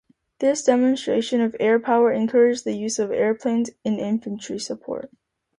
This demonstration of air power encouraged the use of airplanes in infantry support.